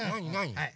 はい。